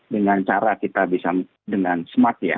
dengan cara kita bisa dengan smart ya